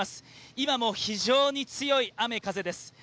今も非常に強い雨・風です。